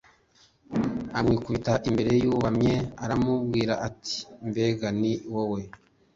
amwikubita imbere yubamye aramubwira ati Mbega ni wowe